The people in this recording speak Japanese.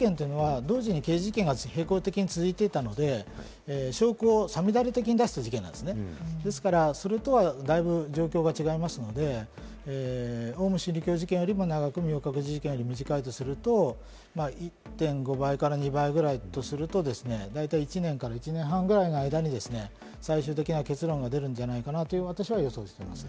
明覚寺事件というのは同時に刑事事件が並行的に続いていたので、証拠をさみだれ的に出すという事件、ですから、それとはだいぶ状況が違いますので、オウム真理教事件よりも長く、明覚寺より短いとすると、１．５倍から２倍とすると大体１年から１年半ぐらいの間に最終的な結論が出るんじゃないかなと私は予想しています。